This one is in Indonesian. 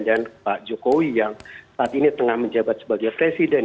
dan pak jokowi yang saat ini tengah menjabat sebagai presiden